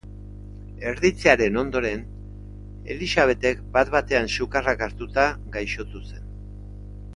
Erditzearen ondoren, Elisabetek bat-batean sukarrak hartuta gaixotu zen.